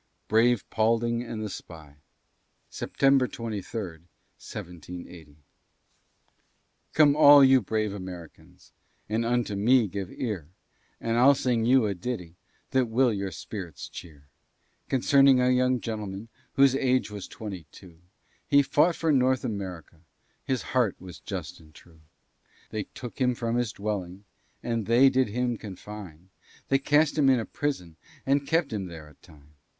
BRAVE PAULDING AND THE SPY [September 23, 1780] Come all you brave Americans, And unto me give ear, And I'll sing you a ditty That will your spirits cheer, Concerning a young gentleman Whose age was twenty two; He fought for North America, His heart was just and true. They took him from his dwelling, And they did him confine, They cast him into prison, And kept him there a time.